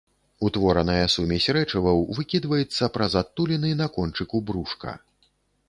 Утвораная сумесь рэчываў выкідваецца праз адтуліны на кончыку брушка.